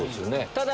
ただ。